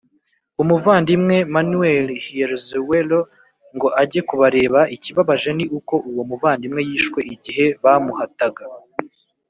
Umuvandimwe manuel hierrezuelo ngo ajye kubareba ikibabaje ni uko uwo muvandimwe yishwe igihe bamuhataga